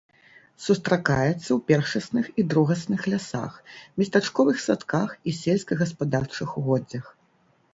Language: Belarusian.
Сустракаецца ў першасных і другасных лясах, местачковых садках і сельскагаспадарчых угоддзях.